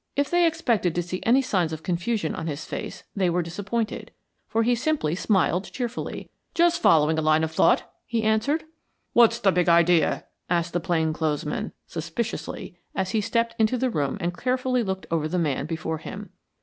If they expected to see any signs of confusion on his face they were disappointed, for he simply smiled cheerfully. "Just following out a line of thought," he answered. "What's the big idea!" asked the plain clothes man, suspiciously, as he also stepped into the room and carefully looked over the man before him.